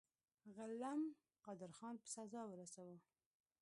غلم قادرخان په سزا ورساوه.